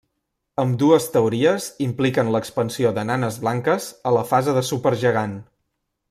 Ambdues teories impliquen l'expansió de nanes blanques a la fase de supergegant.